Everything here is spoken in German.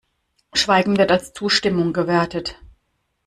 Schweigen wird als Zustimmung gewertet.